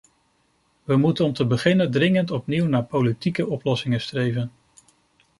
We moeten om te beginnen dringend opnieuw naar politieke oplossingen streven.